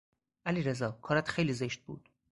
علیرضا ، کارت خیلی زشت بود